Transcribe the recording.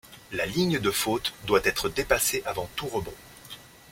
La ligne de faute doit être dépassée avant tout rebond.